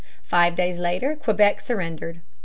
Five days later Quebec surrendered.